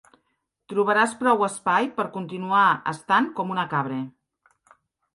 Trobaràs prou espai per continuar estant com una cabra.